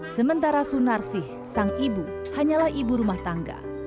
sementara sunarsih sang ibu hanyalah ibu rumah tangga